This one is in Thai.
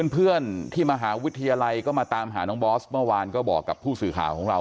เพื่อนที่มหาวิทยาลัยก็มาตามหาน้องบอสเมื่อวานก็บอกกับผู้สื่อข่าวของเรา